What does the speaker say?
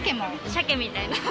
シャケみたいな。